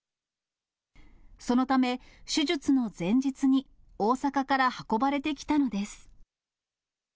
そのため、手術の前日に、大阪から運ばれてきたのです。